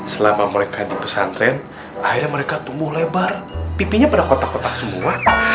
selama mereka di pesantren akhirnya mereka tumbuh lebar pipinya pada kotak kotak semua